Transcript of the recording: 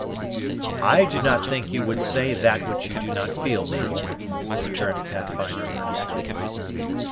"I do not think you would say that which you do not feel, Mabel," returned Pathfinder earnestly.